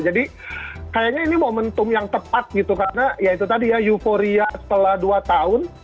jadi kayaknya ini momentum yang tepat gitu karena ya itu tadi ya euforia setelah dua tahun